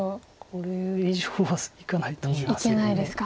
これ以上はいかないと思います。